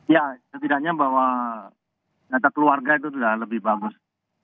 ya setidaknya bahwa data keluarga itu sudah lebih bagus